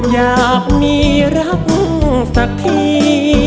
อยากมีรักสักที